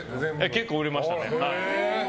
結構売れました。